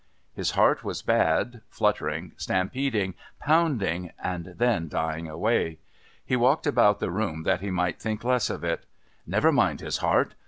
His heart was bad, fluttering, stampeding, pounding and then dying away. He walked about the room that he might think less of it. Never mind his heart!